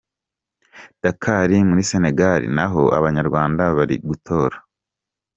Dakar muri Senegal naho Abanyarwanda bari gutor.